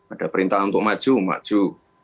ada perintah untuk maju maju